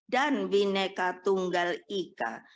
dan bhinneka tunggal ika